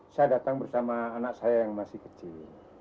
saya datang bersama anak saya yang masih kecil